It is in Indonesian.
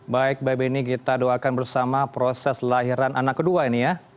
baik mbak beni kita doakan bersama proses lahiran anak kedua ini ya